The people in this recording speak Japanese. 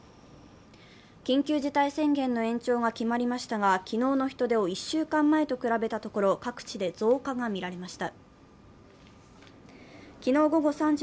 緊急事態宣言の延長が決まりましたが、昨日の人出を１週間前と比べたところ各地で増加がみられました。